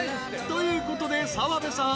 ［ということで澤部さん］